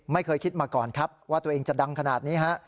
ไม่เคยคิดมาก่อนครับว่าตัวเองจะดังขนาดนี้ฮะ